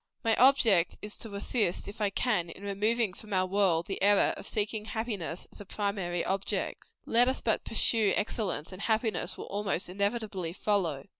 My object is to assist, if I can, in removing from our world the error of seeking happiness as a primary object. Let us but pursue excellence, and happiness will almost inevitably follow.